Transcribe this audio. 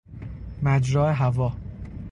مجرا هوا